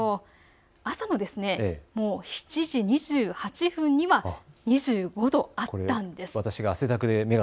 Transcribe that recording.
朝も７時２８分には２５度あったんです。